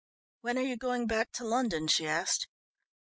"When are you going back to London?" she asked.